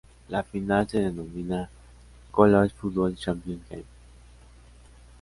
La final se denomina College Football Championship Game.